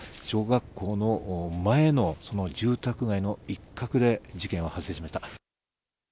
小学校の前の住宅街の一角で事件は発生しました。